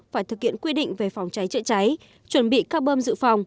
phải thực hiện quy định về phòng cháy trợ cháy chuẩn bị các bơm dự phòng